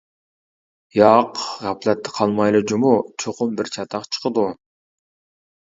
— ياق، غەپلەتتە قالمايلى جۇمۇ، چوقۇم بىر چاتاق چىقىدۇ.